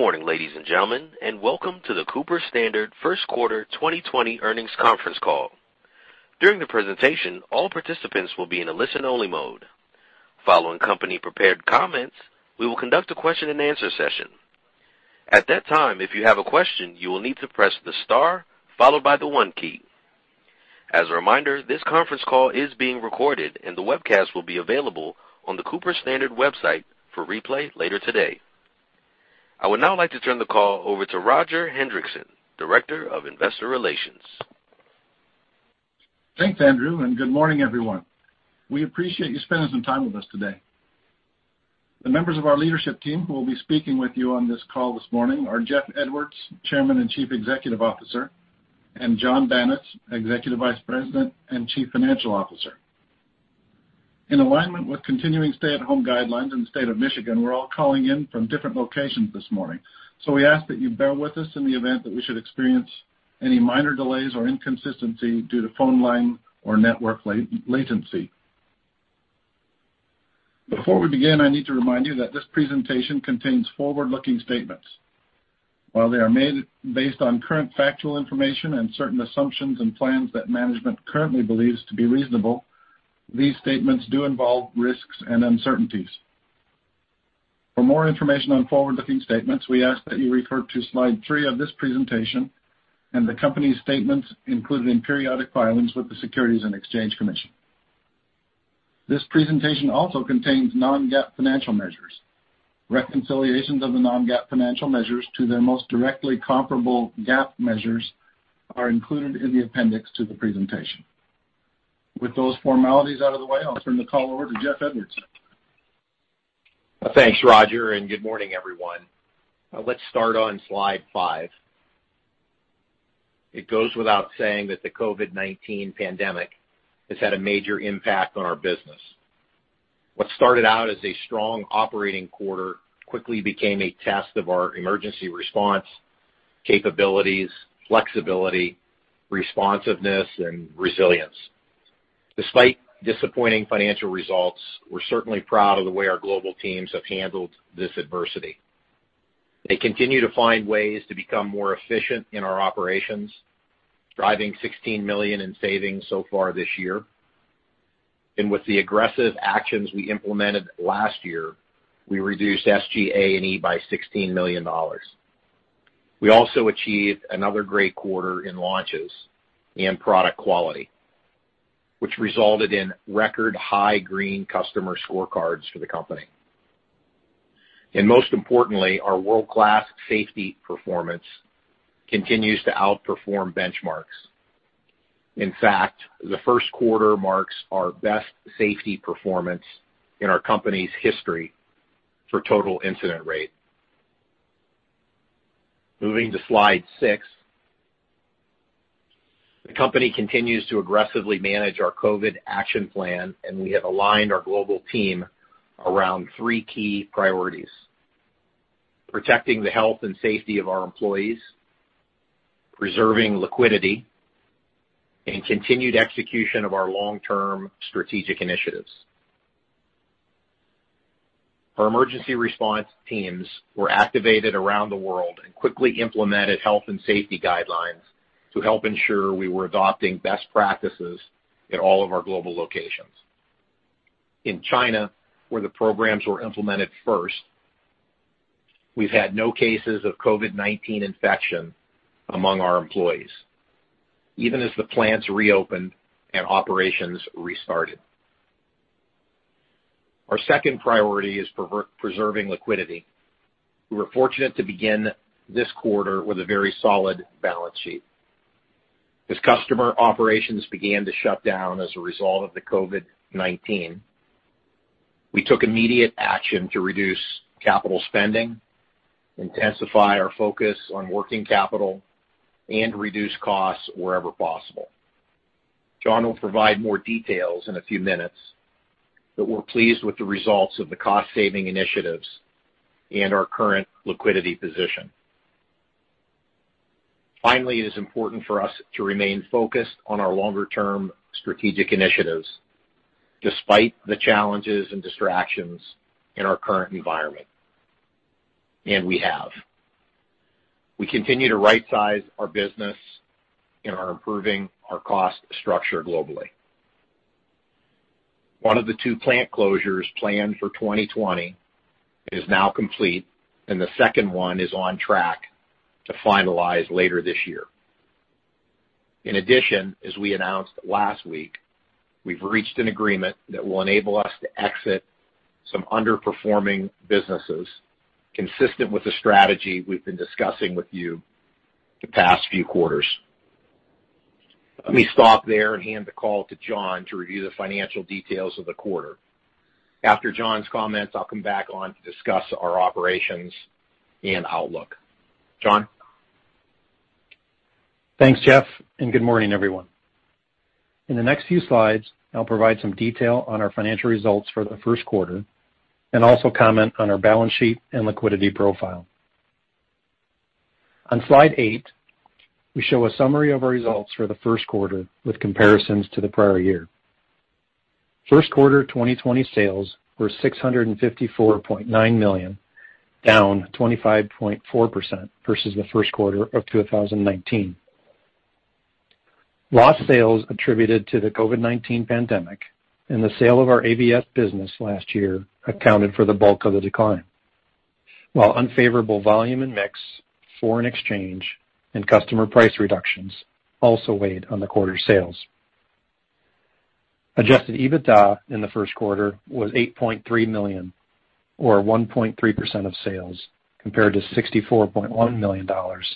Good morning, ladies and gentlemen, and welcome to the Cooper-Standard first quarter 2020 earnings conference call. During the presentation, all participants will be in a listen-only mode. Following company-prepared comments, we will conduct a question-and-answer session. At that time, if you have a question, you will need to press the star followed by the one key. As a reminder, this conference call is being recorded, and the webcast will be available on the Cooper-Standard website for replay later today. I would now like to turn the call over to Roger Hendriksen, Director of Investor Relations. Thanks, Andrew, and good morning, everyone. We appreciate you spending some time with us today. The members of our leadership team who will be speaking with you on this call this morning are Jeffrey S. Edwards, Chairman and Chief Executive Officer, and Jonathan Banas, Executive Vice President and Chief Financial Officer. In alignment with continuing stay-at-home guidelines in the state of Michigan, we're all calling in from different locations this morning. We ask that you bear with us in the event that we should experience any minor delays or inconsistency due to phone line or network latency. Before we begin, I need to remind you that this presentation contains forward-looking statements. While they are made based on current factual information and certain assumptions and plans that management currently believes to be reasonable, these statements do involve risks and uncertainties. For more information on forward-looking statements, we ask that you refer to slide three of this presentation and the company's statements included in periodic filings with the Securities and Exchange Commission. This presentation also contains non-GAAP financial measures. Reconciliations of the non-GAAP financial measures to their most directly comparable GAAP measures are included in the appendix to the presentation. With those formalities out of the way, I'll turn the call over to Jeffrey Edwards. Thanks, Roger. Good morning, everyone. Let's start on slide five. It goes without saying that the COVID-19 pandemic has had a major impact on our business. What started out as a strong operating quarter quickly became a test of our emergency response capabilities, flexibility, responsiveness, and resilience. Despite disappointing financial results, we're certainly proud of the way our global teams have handled this adversity. They continue to find ways to become more efficient in our operations, driving $16 million in savings so far this year. With the aggressive actions we implemented last year, we reduced SG&A&E by $16 million. We also achieved another great quarter in launches and product quality, which resulted in record high green customer scorecards for the company. Most importantly, our world-class safety performance continues to outperform benchmarks. In fact, the first quarter marks our best safety performance in our company's history for total incident rate. Moving to slide six. The company continues to aggressively manage our COVID action plan, and we have aligned our global team around three key priorities: protecting the health and safety of our employees, preserving liquidity, and continued execution of our long-term strategic initiatives. Our emergency response teams were activated around the world and quickly implemented health and safety guidelines to help ensure we were adopting best practices at all of our global locations. In China, where the programs were implemented first, we've had no cases of COVID-19 infection among our employees, even as the plants reopened and operations restarted. Our second priority is preserving liquidity. We were fortunate to begin this quarter with a very solid balance sheet. As customer operations began to shut down as a result of the COVID-19, we took immediate action to reduce capital spending, intensify our focus on working capital, and reduce costs wherever possible. will provide more details in a few minutes, but we're pleased with the results of the cost-saving initiatives and our current liquidity position. Finally, it is important for us to remain focused on our longer-term strategic initiatives despite the challenges and distractions in our current environment. We have. We continue to rightsize our business and are improving our cost structure globally. One of the two plant closures planned for 2020 is now complete, and the second one is on track to finalize later this year. In addition, as we announced last week, we've reached an agreement that will enable us to exit some underperforming businesses consistent with the strategy we've been discussing with you the past few quarters. Let me stop there and hand the call to Jonathan to review the financial details of the quarter. After Jonathan's comments, I'll come back on to discuss our operations and outlook. Jonathan? Thanks, Jeff. Good morning, everyone. In the next few slides, I'll provide some detail on our financial results for the first quarter and also comment on our balance sheet and liquidity profile. On slide eight, we show a summary of our results for the first quarter with comparisons to the prior year. First quarter 2020 sales were $654.9 million, down 25.4% versus the first quarter of 2019. Lost sales attributed to the COVID-19 pandemic and the sale of our AVS business last year accounted for the bulk of the decline. While unfavorable volume and mix, foreign exchange, and customer price reductions also weighed on the quarter sales. Adjusted EBITDA in the first quarter was $8.3 million, or 1.3% of sales, compared to $64.1 million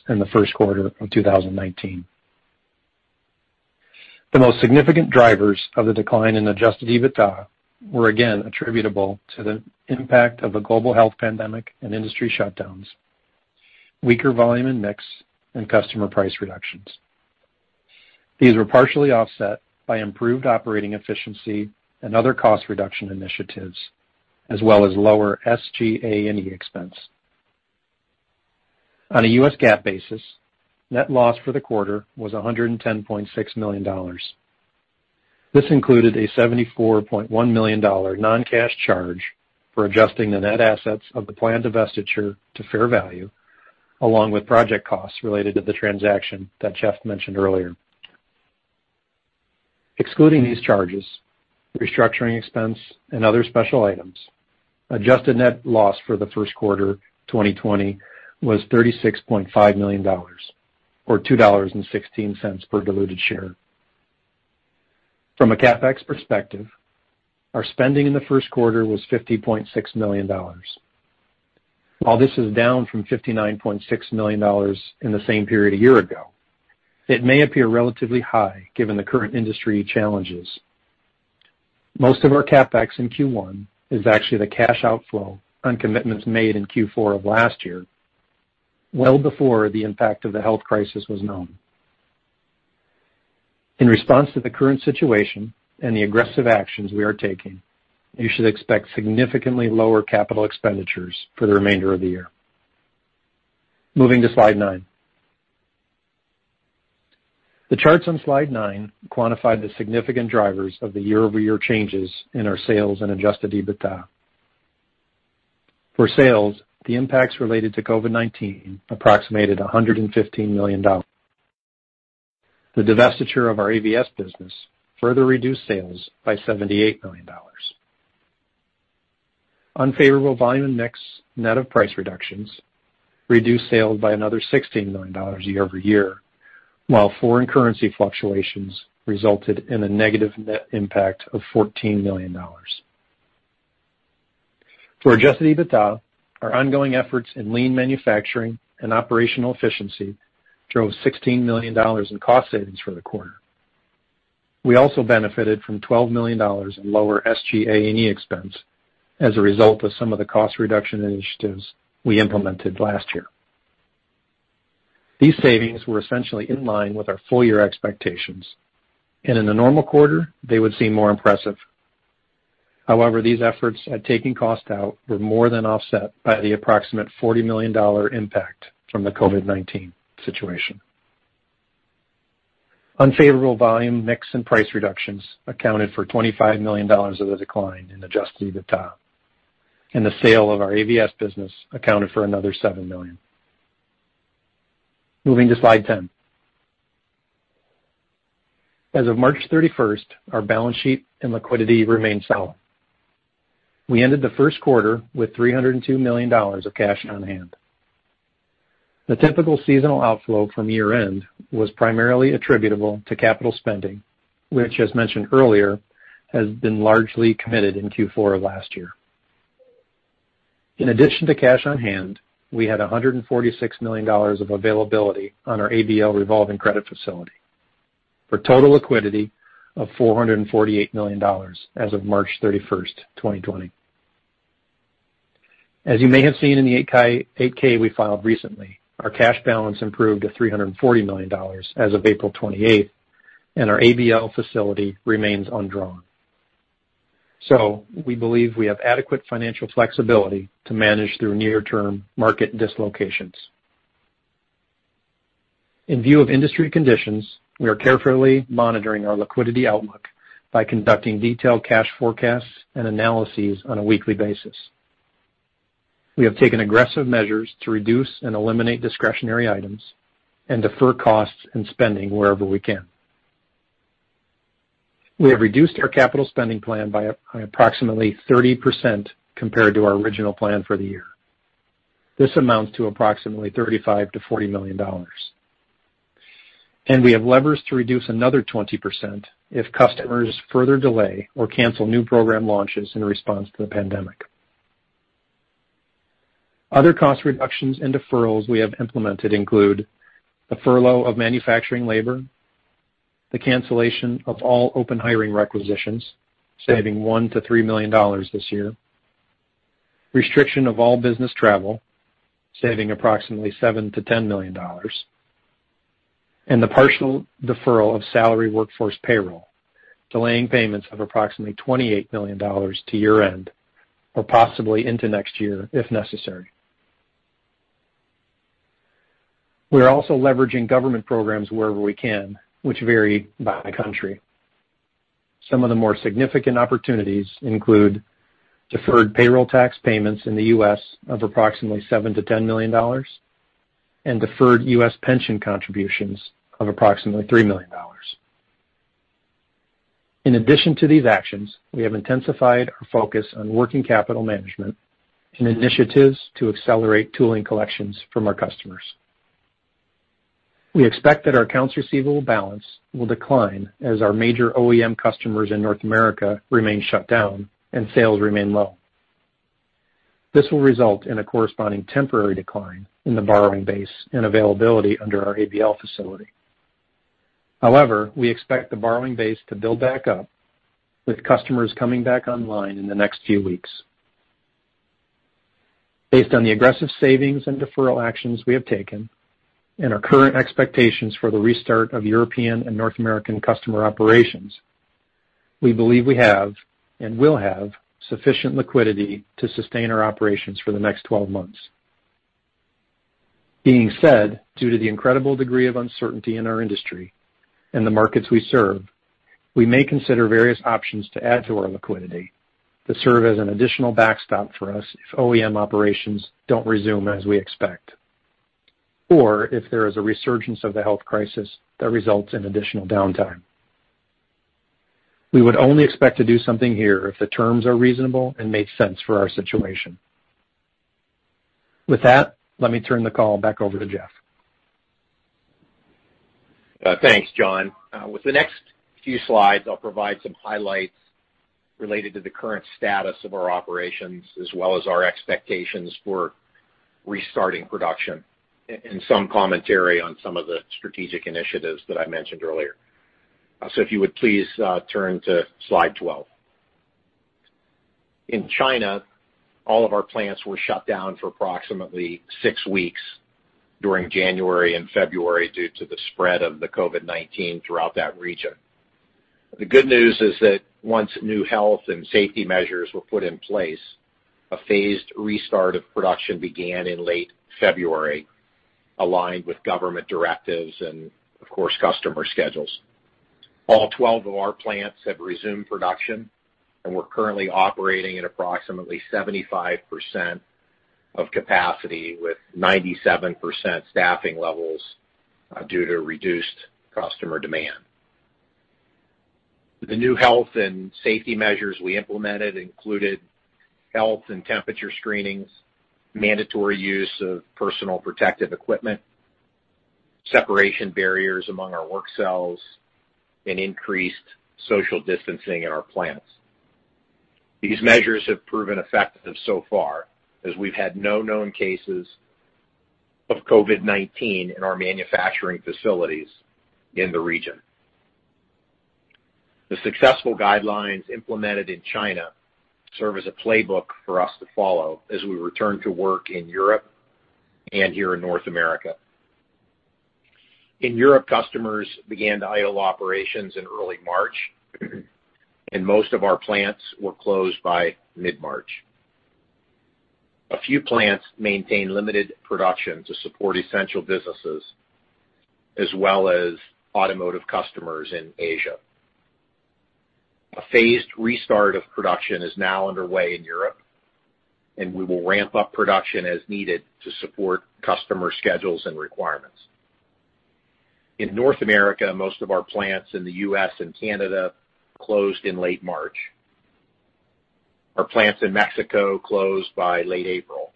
in the first quarter of 2019. The most significant drivers of the decline in adjusted EBITDA were again attributable to the impact of the global health pandemic and industry shutdowns, weaker volume and mix, and customer price reductions. These were partially offset by improved operating efficiency and other cost reduction initiatives, as well as lower SG&A&E expense. On a U.S. GAAP basis, net loss for the quarter was $110.6 million. This included a $74.1 million non-cash charge for adjusting the net assets of the planned divestiture to fair value, along with project costs related to the transaction that Jeff mentioned earlier. Excluding these charges, restructuring expense and other special items, adjusted net loss for the first quarter 2020 was $36.5 million, or $2.16 per diluted share. From a CapEx perspective, our spending in the first quarter was $50.6 million. While this is down from $59.6 million in the same period a year ago, it may appear relatively high given the current industry challenges. Most of our CapEx in Q1 is actually the cash outflow on commitments made in Q4 of last year, well before the impact of the health crisis was known. In response to the current situation and the aggressive actions we are taking, you should expect significantly lower capital expenditures for the remainder of the year. Moving to slide nine. The charts on slide nine quantify the significant drivers of the year-over-year changes in our sales and adjusted EBITDA. For sales, the impacts related to COVID-19 approximated $115 million. The divestiture of our AVS business further reduced sales by $78 million. Unfavorable volume mix net of price reductions reduced sales by another $16 million year-over-year, while foreign currency fluctuations resulted in a negative net impact of $14 million. For adjusted EBITDA, our ongoing efforts in lean manufacturing and operational efficiency drove $16 million in cost savings for the quarter. We also benefited from $12 million in lower SG&A&E expense as a result of some of the cost reduction initiatives we implemented last year. These savings were essentially in line with our full year expectations, and in a normal quarter, they would seem more impressive. These efforts at taking cost out were more than offset by the approximate $40 million impact from the COVID-19 situation. Unfavorable volume mix and price reductions accounted for $25 million of the decline in adjusted EBITDA, and the sale of our AVS business accounted for another $7 million. Moving to slide 10. As of March 31st, our balance sheet and liquidity remain solid. We ended the first quarter with $302 million of cash on hand. The typical seasonal outflow from year-end was primarily attributable to capital spending, which, as mentioned earlier, has been largely committed in Q4 of last year. In addition to cash on hand, we had $146 million of availability on our ABL revolving credit facility for total liquidity of $448 million as of March 31st, 2020. As you may have seen in the 8-K we filed recently, our cash balance improved to $340 million as of April 28th, and our ABL facility remains undrawn. We believe we have adequate financial flexibility to manage through near-term market dislocations. In view of industry conditions, we are carefully monitoring our liquidity outlook by conducting detailed cash forecasts and analyses on a weekly basis. We have taken aggressive measures to reduce and eliminate discretionary items and defer costs and spending wherever we can. We have reduced our capital spending plan by approximately 30% compared to our original plan for the year. This amounts to approximately $35 million-$40 million. We have levers to reduce another 20% if customers further delay or cancel new program launches in response to the pandemic. Other cost reductions and deferrals we have implemented include the furlough of manufacturing labor, the cancellation of all open hiring requisitions, saving $1 million-$3 million this year, restriction of all business travel, saving approximately $7 million-$10 million, and the partial deferral of salary workforce payroll, delaying payments of approximately $28 million to year-end, or possibly into next year if necessary. We're also leveraging government programs wherever we can, which vary by country. Some of the more significant opportunities include deferred payroll tax payments in the U.S. of approximately $7 million-$10 million and deferred U.S. pension contributions of approximately $3 million. In addition to these actions, we have intensified our focus on working capital management and initiatives to accelerate tooling collections from our customers. We expect that our accounts receivable balance will decline as our major OEM customers in North America remain shut down and sales remain low. This will result in a corresponding temporary decline in the borrowing base and availability under our ABL facility. However, we expect the borrowing base to build back up with customers coming back online in the next few weeks. Based on the aggressive savings and deferral actions we have taken and our current expectations for the restart of European and North American customer operations, we believe we have, and will have, sufficient liquidity to sustain our operations for the next 12 months. That being said, due to the incredible degree of uncertainty in our industry and the markets we serve, we may consider various options to add to our liquidity that serve as an additional backstop for us if OEM operations don't resume as we expect, or if there is a resurgence of the health crisis that results in additional downtime. We would only expect to do something here if the terms are reasonable and make sense for our situation. With that, let me turn the call back over to Jeff. Thanks, Jonathan. With the next few slides, I'll provide some highlights related to the current status of our operations as well as our expectations for restarting production and some commentary on some of the strategic initiatives that I mentioned earlier. If you would please turn to slide 12. In China, all of our plants were shut down for approximately six weeks during January and February due to the spread of the COVID-19 throughout that region. The good news is that once new health and safety measures were put in place, a phased restart of production began in late February, aligned with government directives and, of course, customer schedules. All 12 of our plants have resumed production, and we're currently operating at approximately 75% of capacity with 97% staffing levels due to reduced customer demand. The new health and safety measures we implemented included health and temperature screenings, mandatory use of personal protective equipment, separation barriers among our work cells, and increased social distancing in our plants. These measures have proven effective so far as we've had no known cases of COVID-19 in our manufacturing facilities in the region. The successful guidelines implemented in China serve as a playbook for us to follow as we return to work in Europe and here in North America. In Europe, customers began to idle operations in early March, and most of our plants were closed by mid-March. A few plants maintained limited production to support essential businesses as well as automotive customers in Asia. A phased restart of production is now underway in Europe, and we will ramp up production as needed to support customer schedules and requirements. In North America, most of our plants in the U.S. and Canada closed in late March. Our plants in Mexico closed by late April.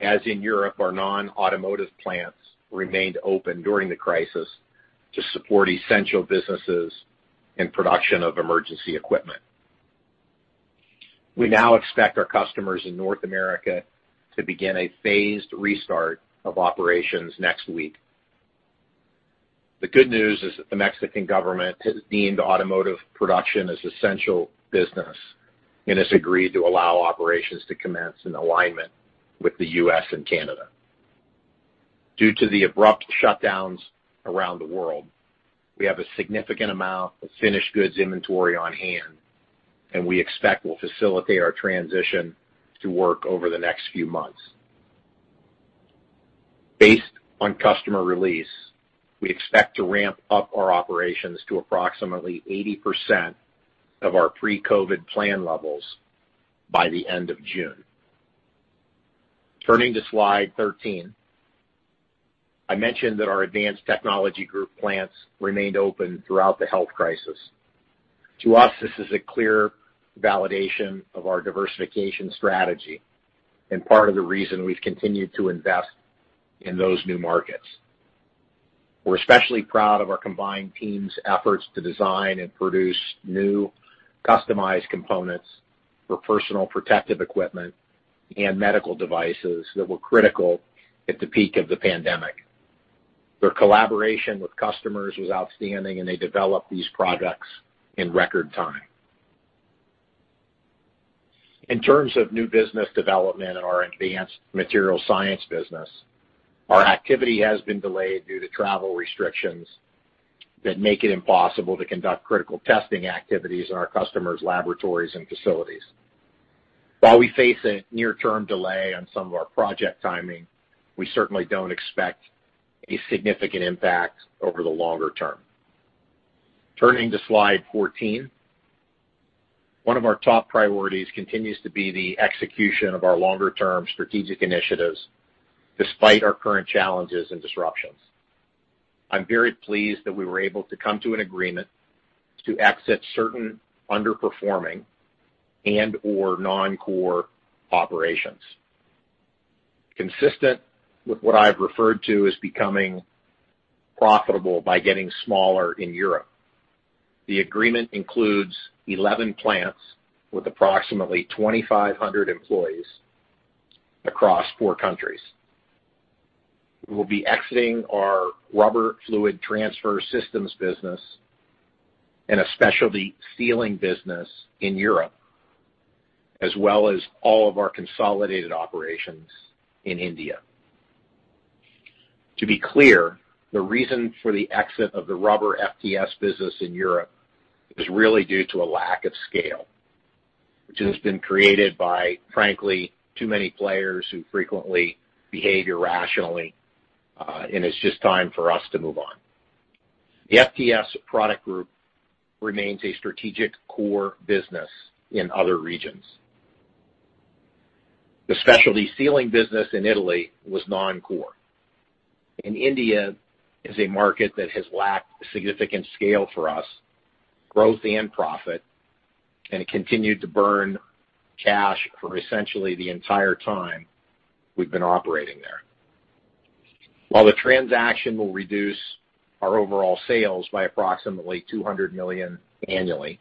As in Europe, our non-automotive plants remained open during the crisis to support essential businesses and production of emergency equipment. We now expect our customers in North America to begin a phased restart of operations next week. The good news is that the Mexican government has deemed automotive production as essential business and has agreed to allow operations to commence in alignment with the U.S. and Canada. Due to the abrupt shutdowns around the world, we have a significant amount of finished goods inventory on hand that we expect will facilitate our transition to work over the next few months. Based on customer release, we expect to ramp up our operations to approximately 80% of our pre-COVID-19 plan levels by the end of June. Turning to slide 13. I mentioned that our Advanced Technology Group plants remained open throughout the health crisis. To us, this is a clear validation of our diversification strategy and part of the reason we've continued to invest in those new markets. We're especially proud of our combined teams' efforts to design and produce new customized components for personal protective equipment and medical devices that were critical at the peak of the pandemic. Their collaboration with customers was outstanding, and they developed these products in record time. In terms of new business development in our Advanced Material science business, our activity has been delayed due to travel restrictions that make it impossible to conduct critical testing activities in our customers' laboratories and facilities. While we face a near-term delay on some of our project timing, we certainly don't expect a significant impact over the longer term. Turning to slide 14. One of our top priorities continues to be the execution of our longer-term strategic initiatives, despite our current challenges and disruptions. I'm very pleased that we were able to come to an agreement to exit certain underperforming and/or non-core operations. Consistent with what I've referred to as becoming profitable by getting smaller in Europe. The agreement includes 11 plants with approximately 2,500 employees across four countries. We will be exiting our rubber fluid transfer systems business and a specialty sealing business in Europe, as well as all of our consolidated operations in India. To be clear, the reason for the exit of the rubber FTS business in Europe is really due to a lack of scale, which has been created by, frankly, too many players who frequently behave irrationally, and it's just time for us to move on. The FTS product group remains a strategic core business in other regions. The specialty sealing business in Italy was non-core. India is a market that has lacked significant scale for us, growth, and profit, and it continued to burn cash for essentially the entire time we've been operating there. While the transaction will reduce our overall sales by approximately $200 million annually,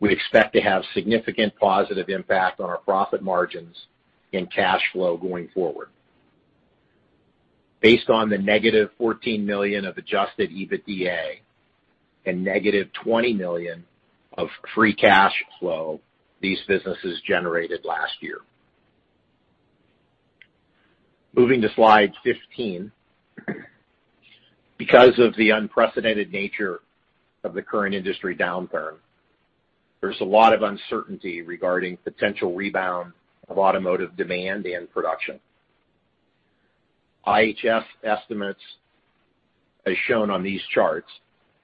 we expect to have significant positive impact on our profit margins and cash flow going forward based on the -$14 million of adjusted EBITDA and -$20 million of free cash flow these businesses generated last year. Moving to slide 15. Because of the unprecedented nature of the current industry downturn, there's a lot of uncertainty regarding potential rebound of automotive demand and production. IHS estimates, as shown on these charts,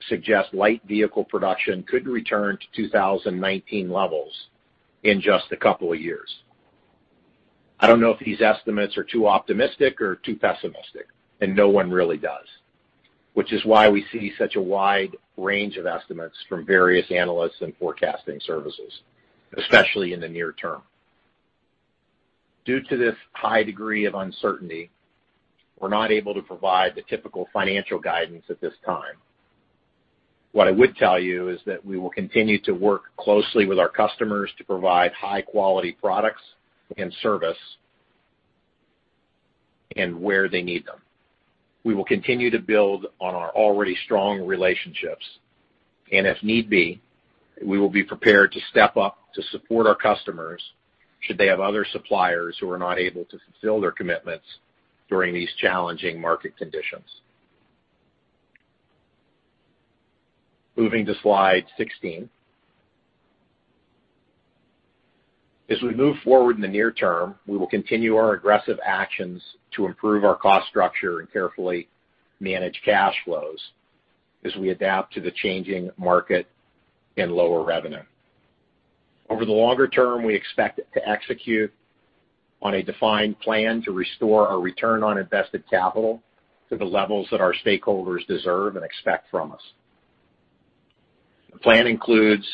suggest light vehicle production could return to 2019 levels in just a couple of years. I don't know if these estimates are too optimistic or too pessimistic. No one really does, which is why we see such a wide range of estimates from various analysts and forecasting services, especially in the near term. Due to this high degree of uncertainty, we're not able to provide the typical financial guidance at this time. What I would tell you is that we will continue to work closely with our customers to provide high-quality products and service and where they need them. We will continue to build on our already strong relationships. If need be, we will be prepared to step up to support our customers should they have other suppliers who are not able to fulfill their commitments during these challenging market conditions. Moving to slide 16. As we move forward in the near term, we will continue our aggressive actions to improve our cost structure and carefully manage cash flows as we adapt to the changing market and lower revenue. Over the longer term, we expect to execute on a defined plan to restore our return on invested capital to the levels that our stakeholders deserve and expect from us. The plan includes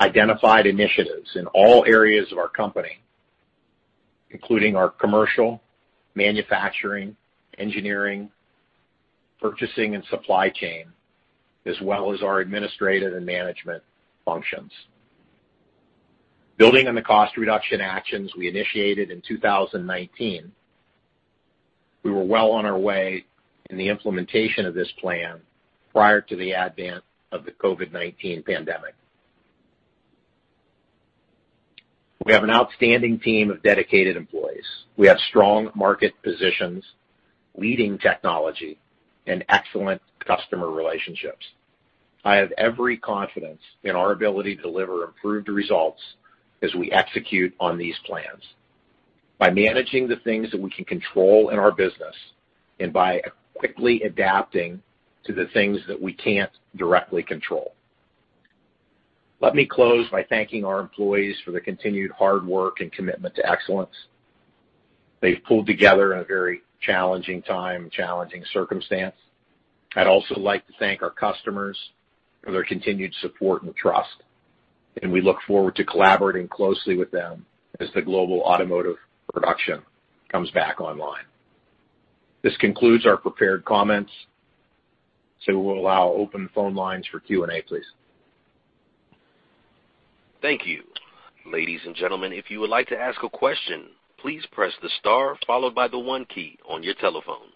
identified initiatives in all areas of our company, including our commercial, manufacturing, engineering, purchasing, and supply chain, as well as our administrative and management functions. Building on the cost reduction actions we initiated in 2019, we were well on our way in the implementation of this plan prior to the advent of the COVID-19 pandemic. We have an outstanding team of dedicated employees. We have strong market positions, leading technology, and excellent customer relationships. I have every confidence in our ability to deliver improved results as we execute on these plans by managing the things that we can control in our business and by quickly adapting to the things that we can't directly control. Let me close by thanking our employees for their continued hard work and commitment to excellence. They've pulled together in a very challenging time, challenging circumstance. I'd also like to thank our customers for their continued support and trust, and we look forward to collaborating closely with them as the global automotive production comes back online. This concludes our prepared comments. We'll allow open phone lines for Q&A, please. Thank you. Ladies and gentlemen, if you would like to ask a question, please press the star followed by the one key on your telephone.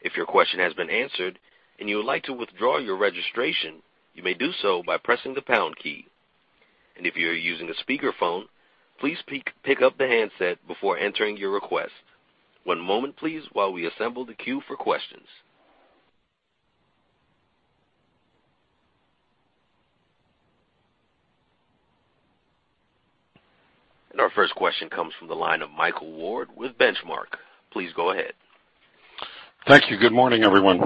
If your question has been answered and you would like to withdraw your registration, you may do so by pressing the pound key. If you are using a speakerphone, please pick up the handset before entering your request. One moment, please, while we assemble the queue for questions. Our first question comes from the line of Michael Ward with Benchmark. Please go ahead. Thank you. Good morning, everyone.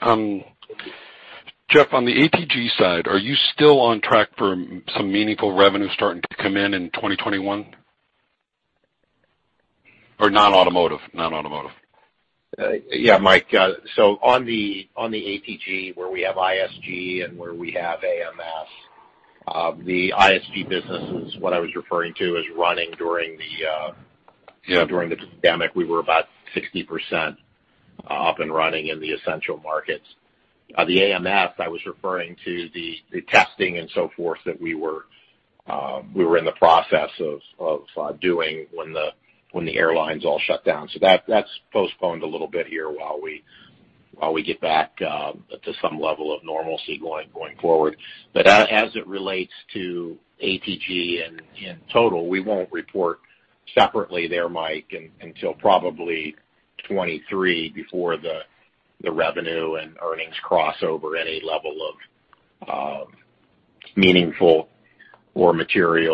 Jeff, on the ATG side, are you still on track for some meaningful revenue starting to come in in 2021, or non-automotive? Yeah, Mike. On the ATG, where we have ISG and where we have AMS, the ISG business is what I was referring to as running during the pandemic. We were about 60% up and running in the essential markets. The AMS, I was referring to the testing and so forth that we were in the process of doing when the airlines all shut down. That's postponed a little bit here while we get back to some level of normalcy going forward. As it relates to ATG in total, we won't report separately there, Mike, until probably 2023 before the revenue and earnings cross over any level of meaningful or materiality.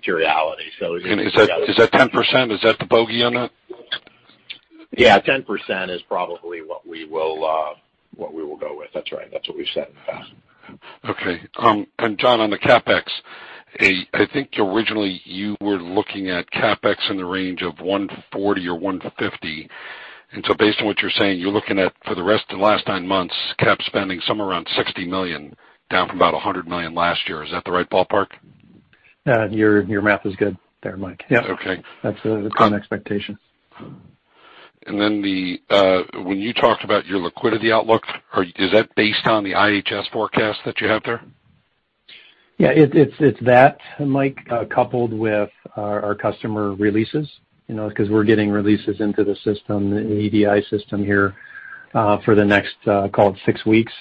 Is that 10%? Is that the bogey on that? Yeah, 10% is probably what we will go with. That's right. That's what we've said in the past. Okay. Jonathan, on the CapEx, I think originally you were looking at CapEx in the range of $140 million or $150 million. Based on what you're saying, you're looking at, for the rest of the last nine months, CapEx spending somewhere around $60 million, down from about $100 million last year. Is that the right ballpark? Yeah. Your math is good there, Mike. Yeah. Okay. That's our expectation. When you talked about your liquidity outlook, is that based on the IHS forecast that you have there? Yeah, it's that, Mike, coupled with our customer releases, because we're getting releases into the system, the EDI system here, for the next, call it six weeks.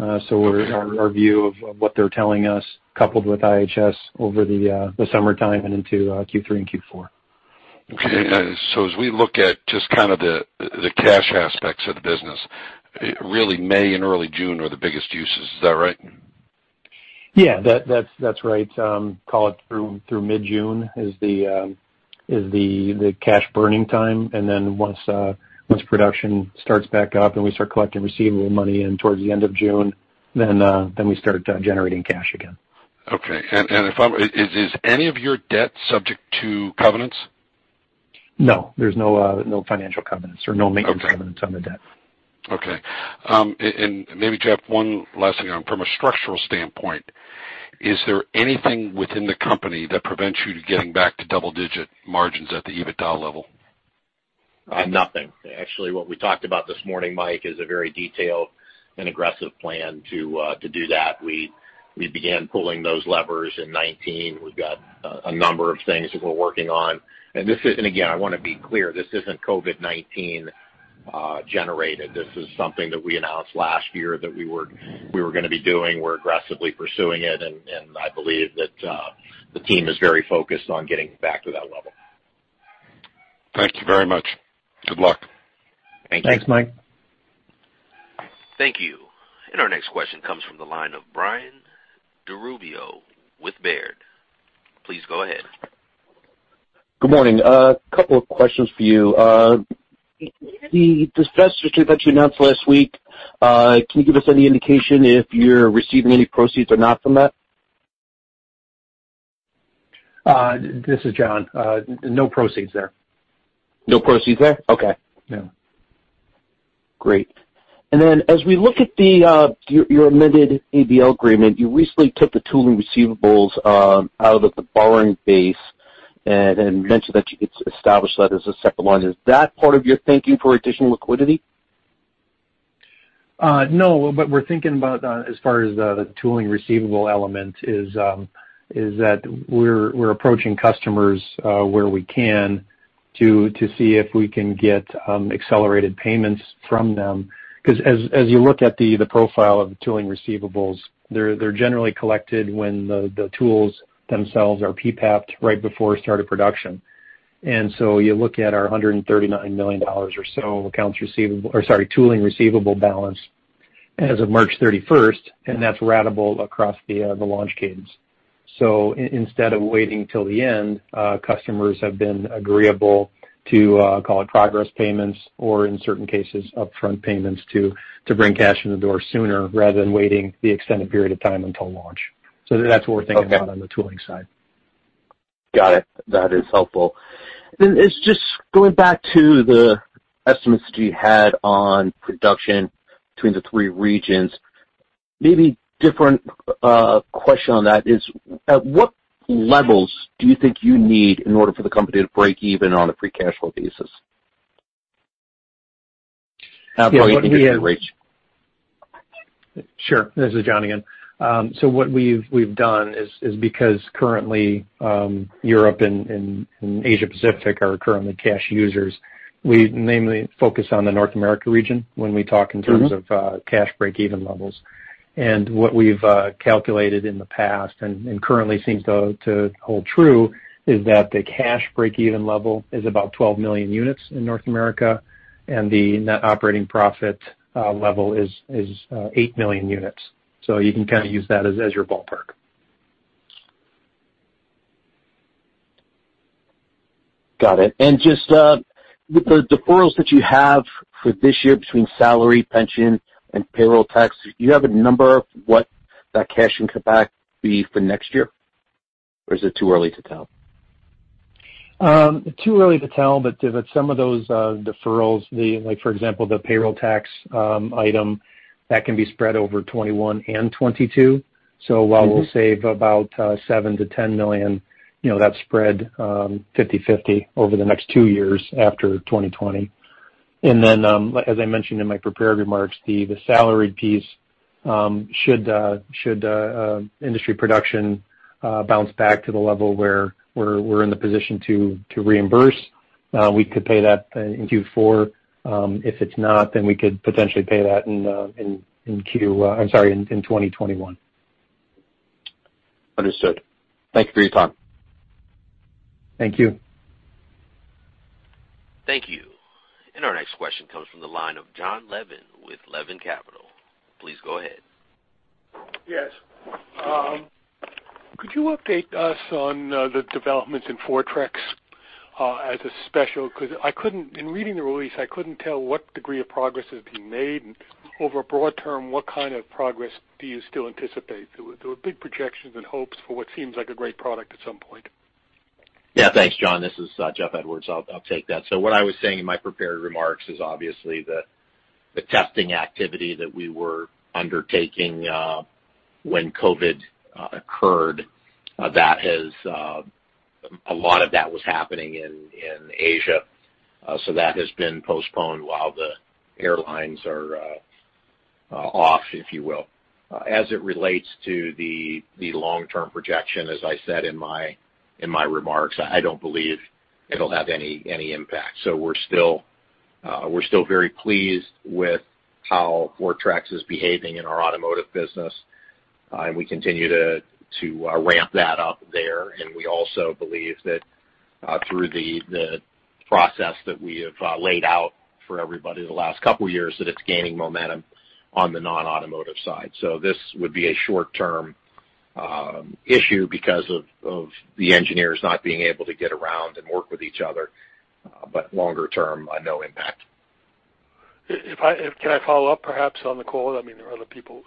Our view of what they're telling us, coupled with IHS over the summertime and into Q3 and Q4. Okay. As we look at just kind of the cash aspects of the business, really May and early June are the biggest uses. Is that right? Yeah, that's right. Call it through mid-June is the cash burning time. Once production starts back up and we start collecting receivable money in towards the end of June, then we start generating cash again. Okay. Is any of your debt subject to covenants? No. There's no financial covenants or no maintenance covenants on the debt. Okay. Maybe Jeff, one last thing. From a structural standpoint, is there anything within the company that prevents you to getting back to double-digit margins at the EBITDA level? Nothing. Actually, what we talked about this morning, Mike, is a very detailed and aggressive plan to do that. We began pulling those levers in 2019. We've got a number of things that we're working on. Again, I want to be clear, this isn't COVID-19 generated. This is something that we announced last year that we were going to be doing. We're aggressively pursuing it, and I believe that the team is very focused on getting back to that level. Thank you very much. Good luck. Thank you. Thanks, Mike. Thank you. Our next question comes from the line of Brian DiRubbio with Baird. Please go ahead. Good morning. A couple of questions for you. The divestiture that you announced last week, can you give us any indication if you're receiving any proceeds or not from that? This is Jonathan. No proceeds there. No proceeds there? Okay. Yeah. Great. Then as we look at your amended ABL agreement, you recently took the tooling receivables out of the borrowing base and mentioned that you established that as a separate line. Is that part of your thinking for additional liquidity? No. What we're thinking about as far as the tooling receivable element is that we're approaching customers where we can to see if we can get accelerated payments from them. As you look at the profile of the tooling receivables, they're generally collected when the tools themselves are PPAP right before start of production. You look at our $139 million or so tooling receivable balance as of March 31st, and that's ratable across the launch cadence. Instead of waiting till the end, customers have been agreeable to, call it progress payments or in certain cases, upfront payments to bring cash in the door sooner rather than waiting the extended period of time until launch. That's what we're thinking about on the tooling side. Got it. That is helpful. It's just going back to the estimates that you had on production between the three regions. Maybe different question on that is at what levels do you think you need in order for the company to break even on a free cash flow basis? Brian, let me get you, Jonathan. Sure. This is Jonathan again. What we've done is because currently Europe and Asia Pacific are currently cash users, we mainly focus on the North America region when we talk in terms of cash break-even levels. What we've calculated in the past and currently seems to hold true is that the cash break-even level is about 12 million units in North America, and the net operating profit level is eight million units. You can kind of use that as your ballpark. Got it. Just with the deferrals that you have for this year between salary, pension, and payroll tax, do you have a number of what that cash impact will be for next year? Or is it too early to tell? Too early to tell, some of those deferrals, like for example, the payroll tax item, that can be spread over 2021 and 2022. While we'll save about $7 million-$10 million, that's spread 50/50 over the next two years after 2020. Then, as I mentioned in my prepared remarks, the salary piece should industry production bounce back to the level where we're in the position to reimburse, we could pay that in Q4. If it's not, then we could potentially pay that in 2021. Understood. Thank you for your time. Thank you. Thank you. Our next question comes from the line of John Levin with Levin Capital. Please go ahead. Yes. Could you update us on the developments in Fortrex as a special? In reading the release, I couldn't tell what degree of progress has been made and over a broad term, what kind of progress do you still anticipate? There were big projections and hopes for what seems like a great product at some point. Yeah. Thanks, John. This is Jeffrey Edwards. I'll take that. What I was saying in my prepared remarks is obviously the testing activity that we were undertaking when COVID occurred, a lot of that was happening in Asia. That has been postponed while the airlines are off, if you will. As it relates to the long-term projection, as I said in my remarks, I don't believe it'll have any impact. We're still very pleased with how Fortrex is behaving in our automotive business. We continue to ramp that up there. We also believe that through the process that we have laid out for everybody the last couple of years, that it's gaining momentum on the non-automotive side. This would be a short-term issue because of the engineers not being able to get around and work with each other. Longer term, no impact. Can I follow up perhaps on the call? I mean, there are other people.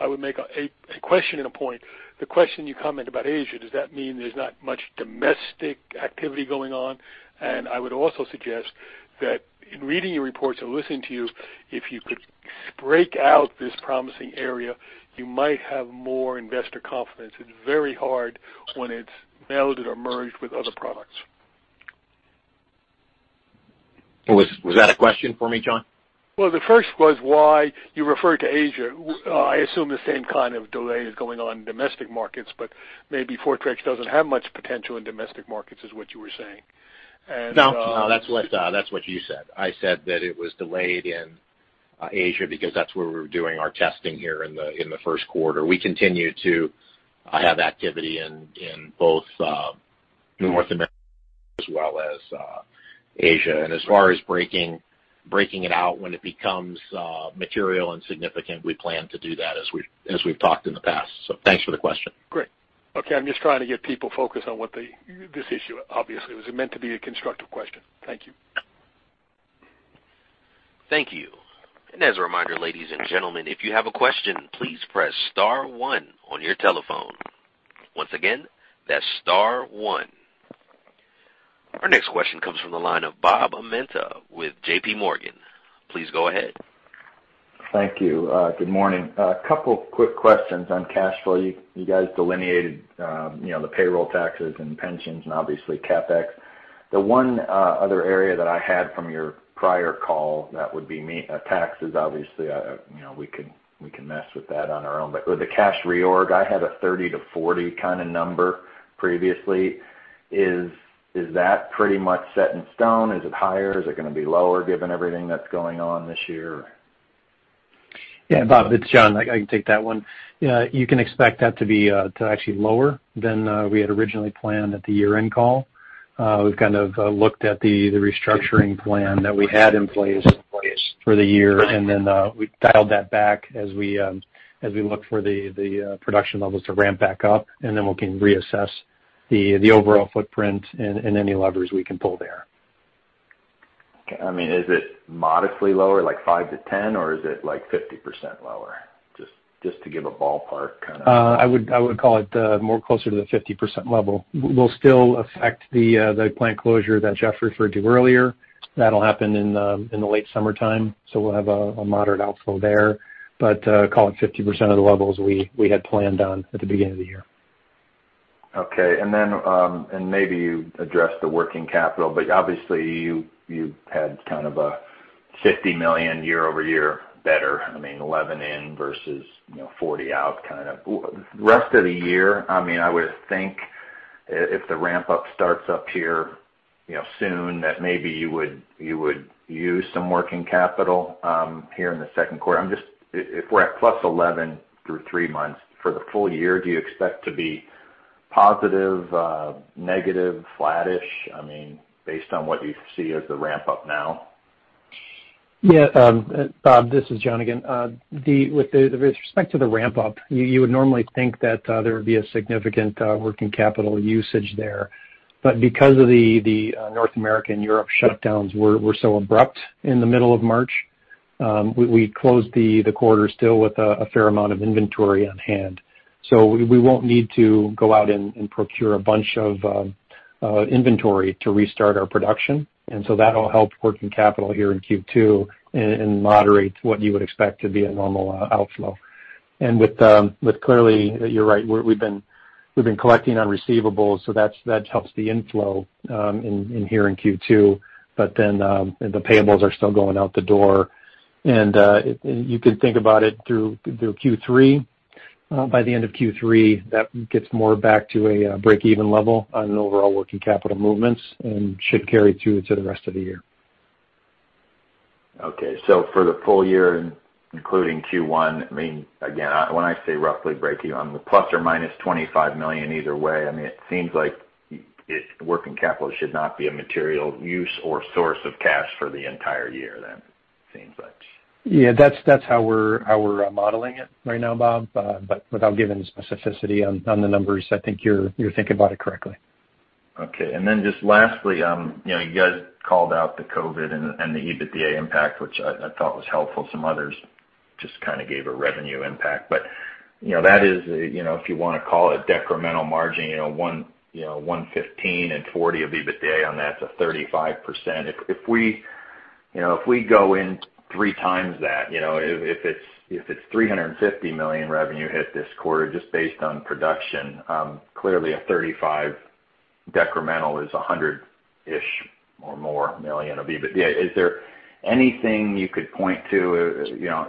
I would make a question and a point. The question you comment about Asia, does that mean there's not much domestic activity going on? I would also suggest that in reading your reports and listening to you, if you could break out this promising area, you might have more investor confidence. It's very hard when it's melded or merged with other products. Was that a question for me, John? Well, the first was why you referred to Asia. I assume the same kind of delay is going on in domestic markets, but maybe Fortrex doesn't have much potential in domestic markets is what you were saying. No, that's what you said. I said that it was delayed in Asia because that's where we were doing our testing here in the first quarter. We continue to have activity in both North America as well as Asia. As far as breaking it out when it becomes material and significant, we plan to do that as we've talked in the past. Thanks for the question. Great. Okay. I'm just trying to get people focused on this issue, obviously. It was meant to be a constructive question. Thank you. Thank you. As a reminder, ladies and gentlemen, if you have a question, please press star one on your telephone. Once again, that's star one. Our next question comes from the line of Robert Amenta with JPMorgan. Please go ahead. Thank you. Good morning. A couple quick questions on cash flow. You guys delineated the payroll taxes and pensions and obviously CapEx. The one other area that I had from your prior call, that would be taxes. Obviously, we can mess with that on our own. But with the cash reorg, I heard a $30 million-$40 million kind of number previously. Is that pretty much set in stone? Is it higher? Is it going to be lower given everything that's going on this year? Yeah, Robert, it's Jonathan. I can take that one. You can expect that to be actually lower than we had originally planned at the year-end call. We've kind of looked at the restructuring plan that we had in place for the year, and then we dialed that back as we look for the production levels to ramp back up, and then we can reassess the overall footprint and any levers we can pull there. Okay. Is it modestly lower, like 5%-10%, or is it 50% lower? Just to give a ballpark kind of- I would call it more closer to the 50% level. It will still affect the plant closure that Jeff referred to earlier. That'll happen in the late summertime, so we'll have a moderate outflow there. I call it 50% of the levels we had planned on at the beginning of the year. Okay. Maybe you addressed the working capital, but obviously you had kind of a $50 million year-over-year better. I mean, $11 million in versus $40 million out kind of. Rest of the year, I would think if the ramp-up starts up here soon, that maybe you would use some working capital here in the second quarter. If we're at +$11 million through three months, for the full year, do you expect to be positive, negative, flattish based on what you see as the ramp-up now? Yeah. Bob, this is Jonathan again. With the respect to the ramp up, you would normally think that there would be a significant working capital usage there. Because of the North America and Europe shutdowns were so abrupt in the middle of March, we closed the quarter still with a fair amount of inventory on hand. We won't need to go out and procure a bunch of inventory to restart our production, that'll help working capital here in Q2 and moderate what you would expect to be a normal outflow. With clearly, you're right, we've been collecting on receivables, that helps the inflow in here in Q2. Then, the payables are still going out the door. You could think about it through Q3. By the end of Q3, that gets more back to a break-even level on overall working capital movements and should carry through to the rest of the year. Okay. For the full year, including Q1, again, when I say roughly breakeven on the ±$25 million either way, it seems like working capital should not be a material use or source of cash for the entire year then. It seems like. Yeah, that's how we're modeling it right now, Bob. Without giving specificity on the numbers, I think you're thinking about it correctly. Okay. Just lastly, you guys called out the COVID and the EBITDA impact, which I thought was helpful. Some others just kind of gave a revenue impact. that is, if you want to call it decremental margin, 115 and 40 of EBITDA on that's a 35%. If we go in 3x that, if it's $350 million revenue hit this quarter just based on production, clearly a 35 decremental is a $100-ish or more million of EBITDA. Is there anything you could point to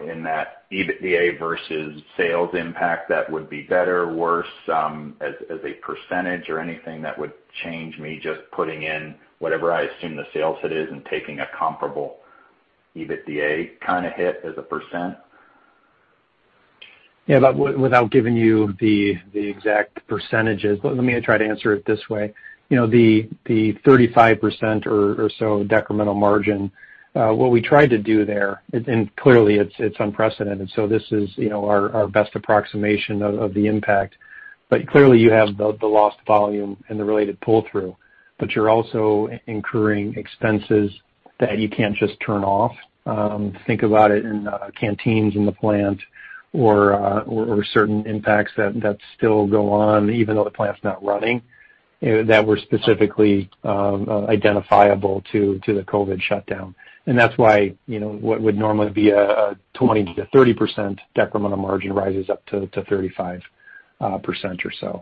in that EBITDA versus sales impact that would be better or worse as a percentage or anything that would change me just putting in whatever I assume the sales hit is and taking a comparable EBITDA kind of hit as a percent? Yeah. Without giving you the exact percentages, let me try to answer it this way. The 35% or so decremental margin, what we tried to do there, and clearly it's unprecedented, so this is our best approximation of the impact. Clearly you have the lost volume and the related pull-through, but you're also incurring expenses that you can't just turn off. Think about it in canteens in the plant or certain impacts that still go on even though the plant's not running, that were specifically identifiable to the COVID-19 shutdown. That's why what would normally be a 20%-30% decremental margin rises up to 35% or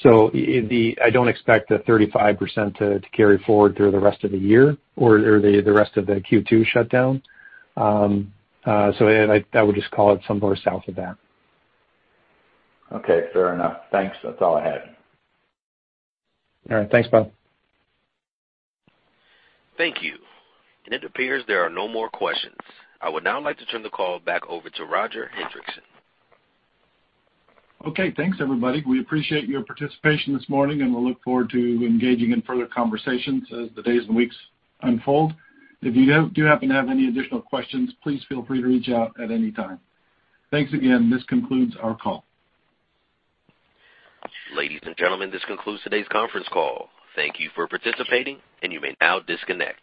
so. I don't expect the 35% to carry forward through the rest of the year or the rest of the Q2 shutdown. I would just call it somewhere south of that. Okay, fair enough. Thanks. That's all I had. All right. Thanks, Bob. Thank you. It appears there are no more questions. I would now like to turn the call back over to Roger Hendriksen. Okay, thanks everybody. We appreciate your participation this morning, and we'll look forward to engaging in further conversations as the days and weeks unfold. If you do happen to have any additional questions, please feel free to reach out at any time. Thanks again. This concludes our call. Ladies and gentlemen, this concludes today's conference call. Thank you for participating, and you may now disconnect.